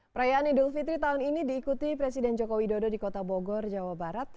perayaan idul fitri tahun ini diikuti presiden joko widodo di kota bogor jawa barat